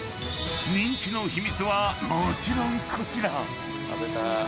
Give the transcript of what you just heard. ［人気の秘密はもちろんこちら！］